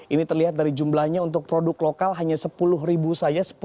ini terlihat dari jumlahnya untuk produk lokal hanya sepuluh ribu saja